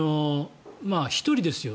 １人ですよ。